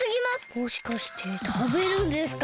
もしかしてたべるんですか？